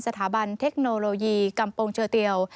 สถาบันเทคโนโลยีกัมปงเชอเตียว